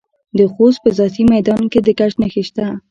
د خوست په ځاځي میدان کې د ګچ نښې شته.